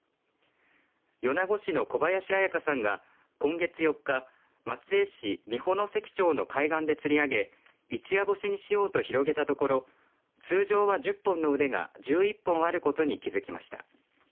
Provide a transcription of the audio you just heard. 米子市の小林彩香さんが今月４日、松江市美保関町の海岸で釣り上げ一夜干しにしようと広げたところ通常は１０本の腕が１１本あることに気付きました。